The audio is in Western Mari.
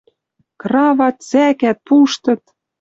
Крават, сӓкӓт, пуштыт.